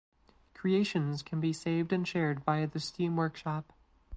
Creations can be saved and shared via the Steam workshop.